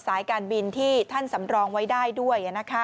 สายการบินที่ท่านสำรองไว้ได้ด้วย